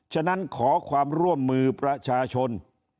ฉะนั้นขอความร่วมมือประชาชน